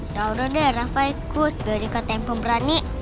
yaudah deh rafa ikut beli kata yang pemberani